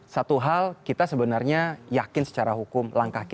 satu hal kita sebenarnya yakin secara hukum